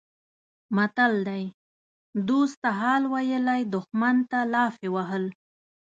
متل دی: دوست ته حال ویلی دښمن ته لافې وهل.